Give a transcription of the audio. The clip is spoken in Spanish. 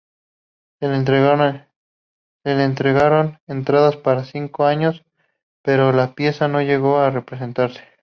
Se le entregaron entradas para cinco años, pero la pieza no llegó a representarse.